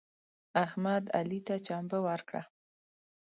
احمد علي ته چمبه ورکړه.